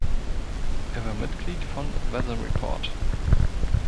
Er war Mitglied von Weather Report.